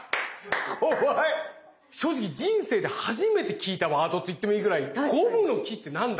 正直人生で初めて聞いたワードと言ってもいいぐらい「ゴムの木って何だ？」